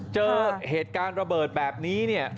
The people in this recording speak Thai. เจอเหตุการณ์ระเบิดแบบนี้เนี่ย